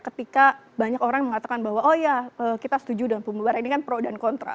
ketika banyak orang mengatakan bahwa oh ya kita setuju dengan pembubaran ini kan pro dan kontra